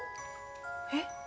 えっ？